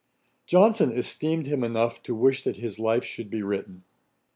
Johnson esteemed him enough to wish that his life should be written.